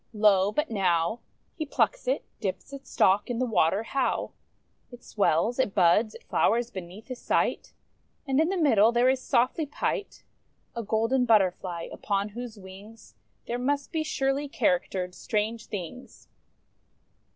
Lo! but now He plucks it, dips its stalk in the water: liowt It swells, it buds, it flowers beneath his sight; And, in the middle, there is softly pight A Golden Butterfly; upon whose wings There must be surely charactered strange things!